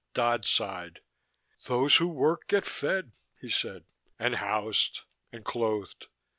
Dodd sighed. "Those who work get fed," he said. "And housed. And clothed.